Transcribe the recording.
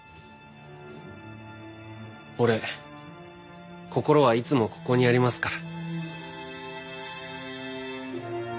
俺心はいつもここにありますから。